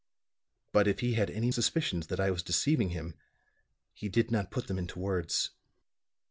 But if he had any suspicions that I was deceiving him, he did not put them into words."